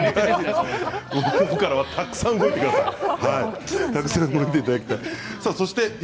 これからはたくさん動いていただきたい。